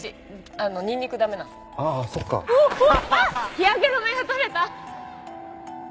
日焼け止めが取れた！